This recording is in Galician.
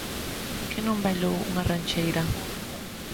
Quen non bailou unha rancheira?